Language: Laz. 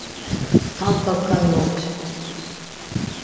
Tsantsaskani momçi.